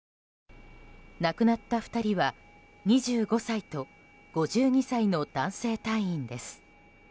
亡くなった２人は２５歳と５２歳の男性隊員です。